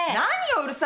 うるさいな。